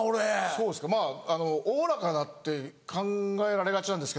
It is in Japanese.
そうですかまぁおおらかだって考えられがちなんですけど。